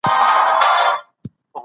دې ټولو واکمنانو نه دا چي.